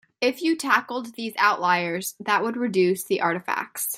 If you tackled these outliers that would reduce the artifacts.